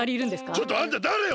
ちょっとあんただれよ！